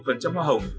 phần trăm hoa hồng